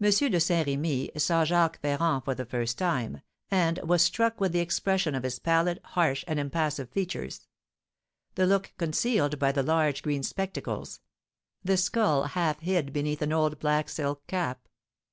M. de Saint Remy saw Jacques Ferrand for the first time, and was struck with the expression of his pallid, harsh, and impassive features, the look concealed by the large green spectacles; the skull half hid beneath an old black silk cap.